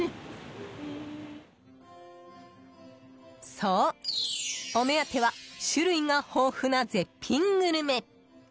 そう、お目当ては種類が豊富な絶品グルメ。